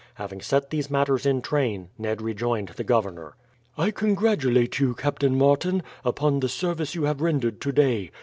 Having set these matters in train, Ned rejoined the governor. "I congratulate you, Captain Martin, upon the service you have rendered today.